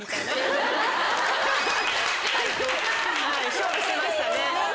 勝負しましたね。